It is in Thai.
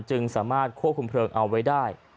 จึงสามารถควบคุมเพลิงเอาไว้ได้